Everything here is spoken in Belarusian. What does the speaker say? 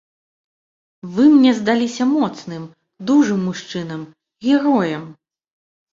Вы мне здаліся моцным, дужым мужчынам, героем.